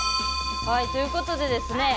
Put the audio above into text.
はいということでですね